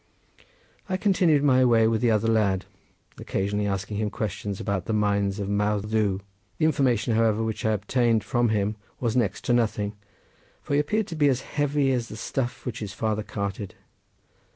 I continued my way with the other lad, occasionally asking him questions about the mines of Mawddwy. The information, however, which I obtained from him was next to nothing, for he appeared to be as heavy as the stuff which his father carted.